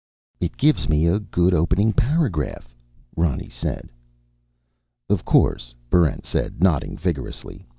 "It gives me a good opening paragraph," Ronny said. "Of course," Barrent said, nodding vigorously.